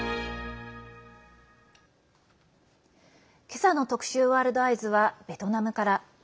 けさの特集「ワールドＥＹＥＳ」はベトナムから。